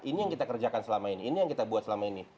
ini yang kita kerjakan selama ini ini yang kita buat selama ini